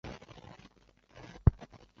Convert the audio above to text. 就觉得心里暖暖的